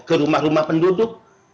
ke rumah rumah penduduk